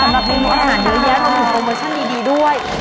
ขอบคุณมากคุณโปรโมชั่นดีด้วย